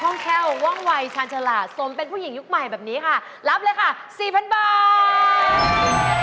ห้องแค่ว่องวัยชาญฉลาดสมเป็นผู้หญิงยุคใหม่แบบนี้ค่ะรับเลยค่ะสี่พันบาท